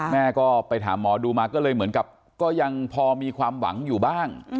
แม่ก็ไปถามหมอดูมาก็เลยเหมือนกับก็ยังพอมีความหวังอยู่บ้าง